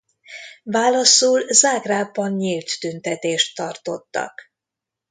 Válaszul Zágrábban nyílt tüntetést tartottak.